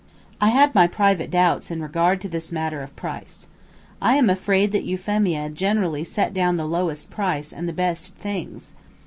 I had my private doubts in regard to this matter of price. I am afraid that Euphemia generally set down the lowest price and the best things.